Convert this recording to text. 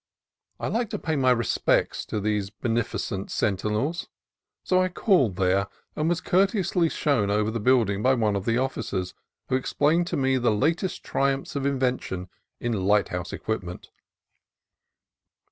I like to pay my respects to these beneficent senti nels, so I called there, and was courteously shown over the building by one of the officers, who explained to me the latest triumphs of invention in lighthouse equipment.